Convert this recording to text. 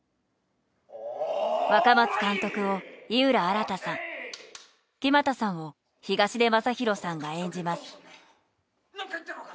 若松監督を井浦新さん木全さんを東出昌大さんが演じます。